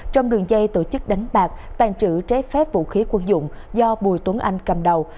trong đường dây tổ chức đánh bạc tàn trữ trái phép vũ khí quân dụng do bùi tuấn anh cầm đầu